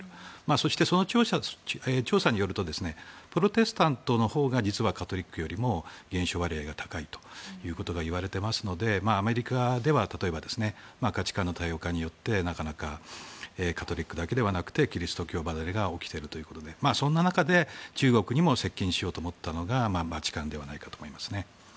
そしてその調査によるとプロテスタントのほうが実はカトリックよりも減少割合が高いということが言われていますのでアメリカでは例えば価値観の多様化によってなかなかカトリックだけではなくキリスト教離れが起きているということでそんな中で中国にも接近しようと思ったのがバチカンではないかと思いますね。